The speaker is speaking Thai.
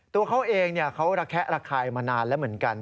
ตัวเขาเองเขาระแคะระคายมานานแล้วเหมือนกัน